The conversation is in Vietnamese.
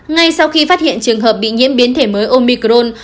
ngay sau khi phát hiện trường hợp bị nhiễm biến thể mới omicron